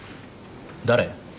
誰？